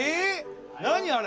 何あれ！